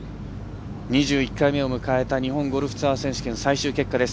２１回目を迎えた日本ゴルフツアー選手権最終結果です。